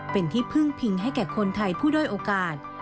เป็นที่พึ่งพิงให้แก่คนไทยผู้ด้อยโอกาส